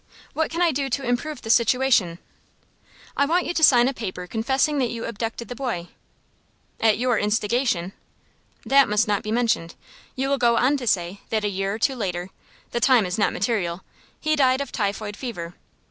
What can I do to improve the situation?" "I want you to sign a paper confessing that you abducted the boy " "At your instigation?" "That must not be mentioned. You will go on to say that a year or two later the time is not material he died of typhoid fever.